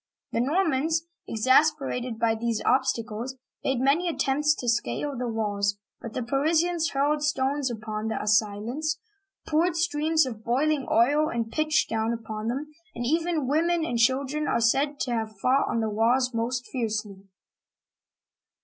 The Normans, exasperated by these obstacles, made many attempts to scale the walls, but the Parisians hurled stones upon the assailants, poured streams of boiling oil and pitch down upon them, and even women and children are said to have fought on the walls most fiercely.